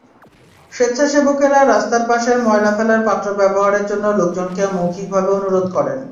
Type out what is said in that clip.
স্বেচ্ছাসেবকেরা রাস্তার পাশের ময়লা ফেলার পাত্র ব্যবহারের জন্য লোকজনকে মৌখিকভাবে অনুরোধ করেন।